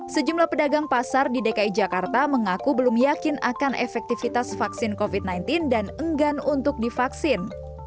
sejumlah pedagang pasar di dki jakarta mengaku belum yakin akan efektivitas vaksin covid sembilan belas dan enggan untuk divaksin